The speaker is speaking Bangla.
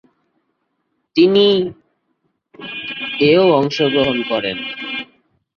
তিনি ""-এও অংশগ্রহণ করেন।